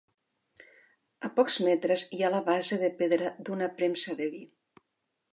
A pocs metres hi ha la base de pedra d'una premsa de vi.